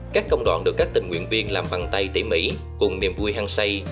các công đoạn được các tình nguyện viên làm bằng tay tỉ mỉ cùng niềm vui hăng say